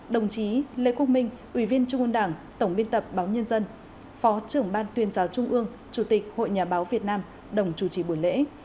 đồng chí lê quốc minh ủy viên trung ương đảng tổng biên tập báo nhân dân phó trưởng ban tuyên giáo trung ương chủ tịch hội nhà báo việt nam đồng chủ trì buổi lễ